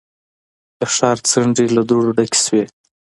د ښار څنډې له دوړو ډکې شوې.